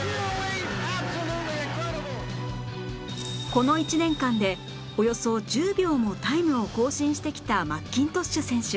この１年間でおよそ１０秒もタイムを更新してきたマッキントッシュ選手